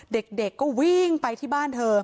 เด็กก็วิ่งไปที่บ้านเธอ